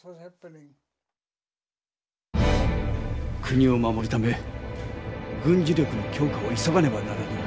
国を守るため軍事力の強化を急がねばならぬ。